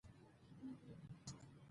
تاریخ د افغانستان د جغرافیوي تنوع مثال دی.